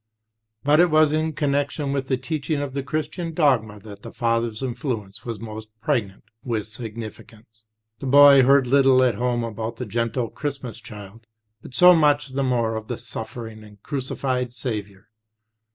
But it was in connection with the teaching of the Christian dogma that the father's influence was most pregnant with significance. The boy heard little at home about the gentle Christmas Child, but so much the more of the suffering and crucified Saviour.